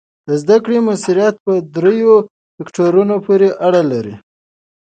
د زده کړې مؤثریت په دریو فکتورونو پورې اړه لري.